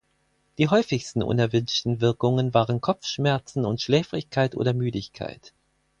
Die häufigsten unerwünschten Wirkungen waren Kopfschmerzen und Schläfrigkeit oder Müdigkeit.